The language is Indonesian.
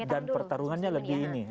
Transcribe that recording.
dan pertarungannya lebih ini